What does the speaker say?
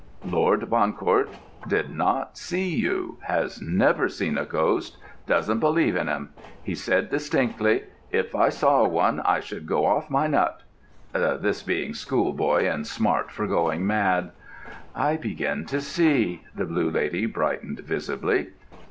"Lord Bancourt did not see you—has never seen a ghost—doesn't believe in them. He said distinctly, 'If I saw one, I should go off my nut,'—this being schoolboy and smart for going mad." "I begin to see." The Blue Lady brightened visibly.